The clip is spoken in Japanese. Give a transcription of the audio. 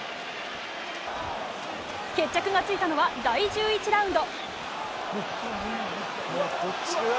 決着がついたのは第１１ラウンド。